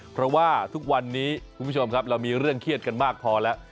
เพราะว่าทุกวันนี้คุณผู้ชมครับเรามีเรื่องเครียดกันมากพอแล้ว